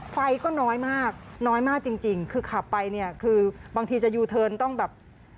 ไฟก็น้อยมากน้อยมากจริงจริงคือขับไปเนี่ยคือบางทีจะยูเทิร์นต้องแบบ